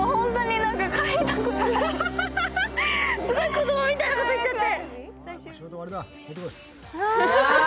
子供みたいなこと言っちゃって。